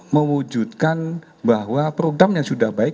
mewujudkan bahwa program yang sudah baik